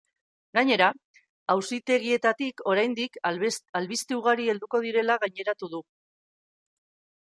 Gainera, auzitegietatik oraindik albiste ugari helduko direla gaineratu du.